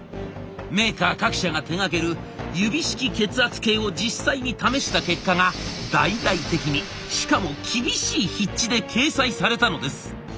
メーカー各社が手がける指式血圧計を実際に試した結果が大々的にしかも厳しい筆致で掲載されたのです。